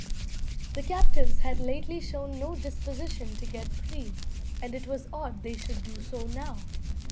The captives had lately shown no disposition to get free, and it was odd they should do so now.